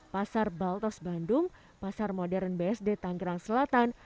pasar baltos bandung pasar modern bsd tanggerang selatan